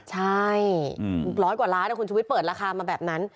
ใช่ร้อยกว่าล้านคุณชุวิตเปิดราคามาแบบนั้น